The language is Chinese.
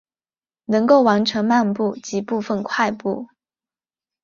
能够完成漫步及部份快步。